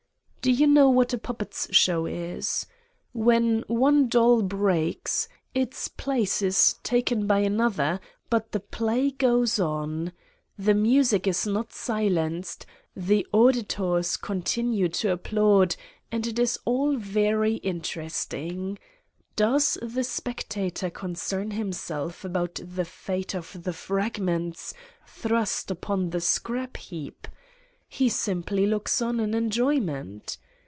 Do you know what a puppets' show is? When one doll breaks, its place is taken by another, but the play goes on. The music is not silenced, the auditors continue to applaud and it is all very in teresting. Does the spectator concern himself about the fate of the fragments, thrust upon the scrap heap? He simply looks on in enjoyment.